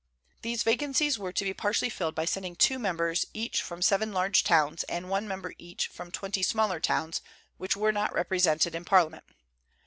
These vacancies were to be partially filled by sending two members each from seven large towns, and one member each from twenty smaller towns which were not represented in Parliament.